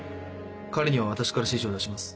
彼には私から指示を出します。